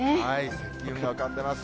積雲が浮かんでいます。